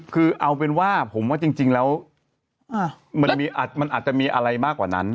คือเอาเป็นว่าผมว่าจริงแล้วมันอาจจะมีอะไรมากกว่านั้น